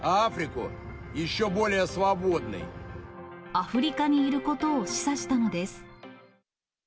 アフリカにいることを示唆したのです。